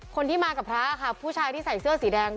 คนที่มากับพระค่ะผู้ชายที่ใส่เสื้อสีแดง